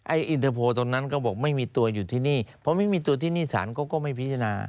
อินเตอร์โพลตรงนั้นก็บอกไม่มีตัวอยู่ที่นี่เพราะไม่มีตัวที่นี่สารเขาก็ไม่พิจารณา